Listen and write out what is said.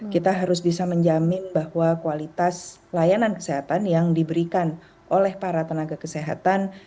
kita harus bisa menjamin bahwa kualitas layanan kesehatan yang diberikan oleh para tenaga kesehatan